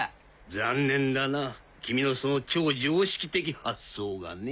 残念だな君のその超常識的発想がね。